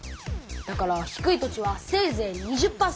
だから低い土地はせいぜい２０％！